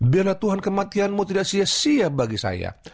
biarlah tuhan kematianmu tidak sia sia bagi saya